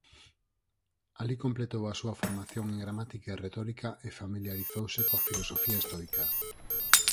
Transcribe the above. Alí completou a súa formación en gramática e retórica e familiarizouse coa filosofía estoica.